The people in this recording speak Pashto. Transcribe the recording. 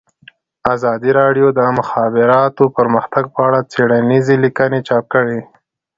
ازادي راډیو د د مخابراتو پرمختګ په اړه څېړنیزې لیکنې چاپ کړي.